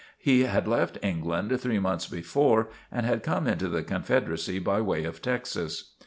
He had left England three months before and had come into the Confederacy by way of Texas.